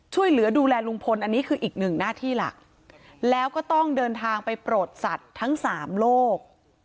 ช่วยเหลือดูแลลุงพลอันนี้คืออีกหนึ่งหน้าที่หลักแล้วก็ต้องเดินทางไปโปรดสัตว์ทั้งสามโลก